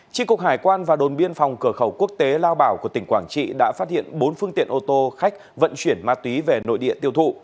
tri cục hải quan và đồn biên phòng cửa khẩu quốc tế lao bảo của tỉnh quảng trị đã phát hiện bốn phương tiện ô tô khách vận chuyển ma túy về nội địa tiêu thụ